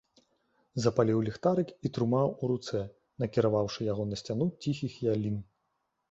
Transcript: Запаліў ліхтарык і трымаў у руцэ, накіраваўшы яго на сцяну ціхіх ялін.